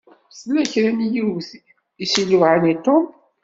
Tella kra n yiwet i s-iluɛan i Tom.